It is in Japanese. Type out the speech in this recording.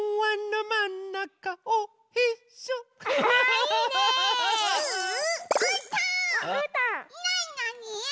なになに？